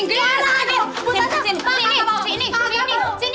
gue ngelahirin perempuan bukan kayak gituan